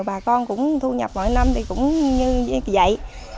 bà con cũng thu nhập mỗi năm thì cũng như vậy